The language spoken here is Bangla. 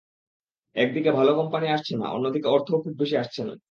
একদিকে ভালো কোম্পানি আসছে না, অন্যদিকে অর্থও খুব বেশি আসছে না।